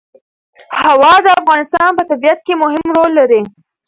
هوا د افغانستان په طبیعت کې مهم رول لري.